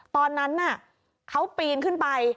ตอนนั้นน่ะเขาปีนขึ้นไป